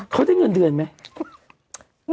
สาเหว์เงินดื่นไหม